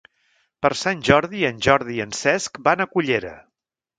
Per Sant Jordi en Jordi i en Cesc van a Cullera.